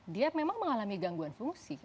dia memang mengalami gangguan fungsi